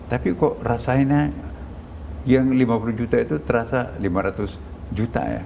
tapi kok rasanya yang lima puluh juta itu terasa lima ratus juta ya